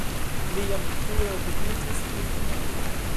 Li jam frue okupiĝis pri fotado.